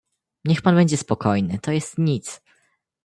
"„Niech pan będzie spokojny, to jest nic."